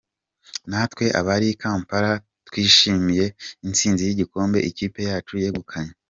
Natwe abari Kampala twishimiye intsinzi y’igikombe ikipe yacu yegukanye.